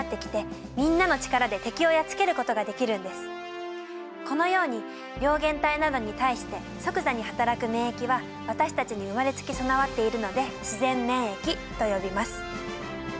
正確にはこのように病原体などに対して即座にはたらく免疫は私たちに生まれつき備わっているので自然免疫と呼びます。